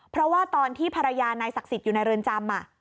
เพราะว่าตอนที่ภรรยานายศักดิ์สิทธิ์อยู่ในเรือนจำ